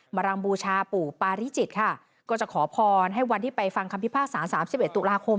มารังบูชาปู่ปาริจิตค่ะก็จะขอพรให้วันที่ไปฟังคำพิพาศศาสตร์๓๑ตุลาคมอ่ะ